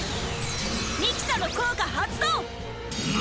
ミキサの効果発動！